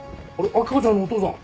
秋香ちゃんのお父さん。